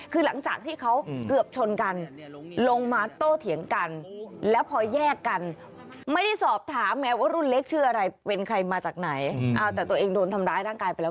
มาจากไหนแต่ตัวเองโดนทำร้ายร่างกายไปแล้ว